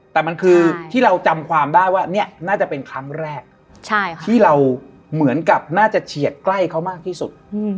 แต่มันคือที่เราจำความได้ว่าเนี่ยน่าจะเป็นครั้งแรกที่เราเหมือนกับน่าจะเฉียดใกล้เขามากที่สุด